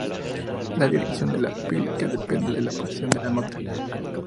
La dirección de la plica depende de la posición de la nota.